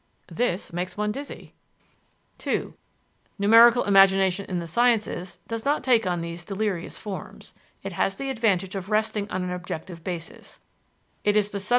This makes one dizzy. (2) Numerical imagination in the sciences does not take on these delirious forms; it has the advantage of resting on an objective basis: it is the substitute of an unrepresentable reality.